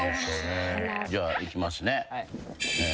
じゃあいきますね。